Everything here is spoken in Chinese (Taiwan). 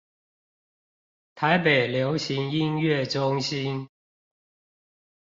台北流行音樂中心